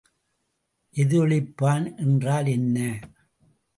எதிரொலிப்பான் என்றால் என்ன?